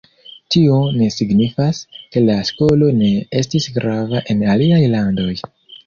Tio ne signifas, ke la skolo ne estis grava en aliaj landoj.